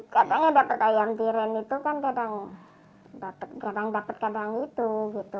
kadangnya dapat ayam tiren itu kan kadang dapat kadang itu gitu